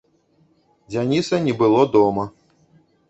Дзяніса не было дома.